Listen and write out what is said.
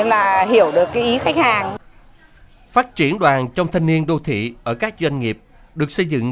là hiểu được ý khách hàng phát triển đoàn trong thanh niên đô thị ở các doanh nghiệp được xây dựng